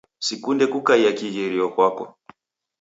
Sikunde kukaia kighirio kwako.